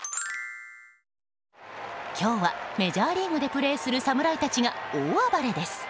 今日はメジャーリーグでプレーする侍たちが大暴れです。